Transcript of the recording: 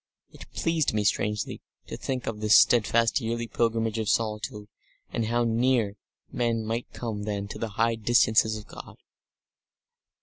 It pleased me strangely to think of this steadfast yearly pilgrimage of solitude, and how near men might come then to the high distances of God.